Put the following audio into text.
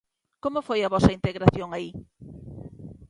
Como foi a vosa integración aí?